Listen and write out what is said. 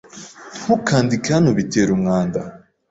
Ntukandike hano bitera umwanda.